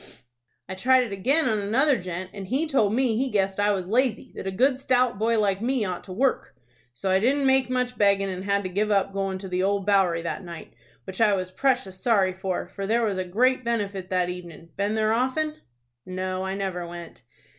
"I tried it again on another gent, and he told me he guessed I was lazy; that a good stout boy like me ought to work. So I didn't make much beggin', and had to give up goin' to the Old Bowery that night, which I was precious sorry for, for there was a great benefit that evenin'. Been there often?" "No, I never went."